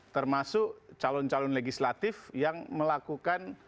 termasuk calon calon legislatif yang melakukan